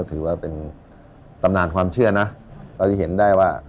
ถือว่าเป็นตำนานความเชื่อนะเราจะเห็นได้ว่า